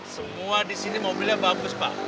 semua di sini mobilnya bagus pak